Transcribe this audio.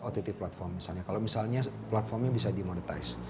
ott platform misalnya kalau misalnya platformnya bisa dimonetize